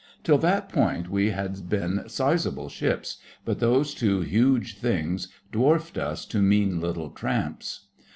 Till that point we had been sizeable ships, but those two huge things dwarfed us to mean little tramps.